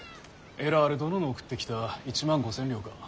エラール殿の送ってきた１万５，０００両か。